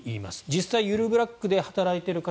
実際ゆるブラックで働いている方